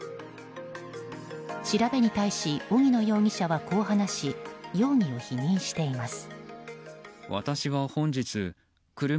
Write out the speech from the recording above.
調べに対し荻野容疑者はこう話し容疑を否認しています。